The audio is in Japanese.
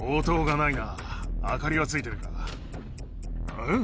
うん？